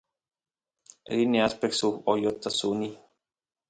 rini aspiy suk oyot suni